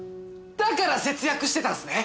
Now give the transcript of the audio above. だから節約してたんすね！